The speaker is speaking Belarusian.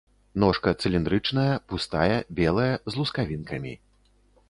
Ножка цыліндрычная, пустая, белая, з лускавінкамі.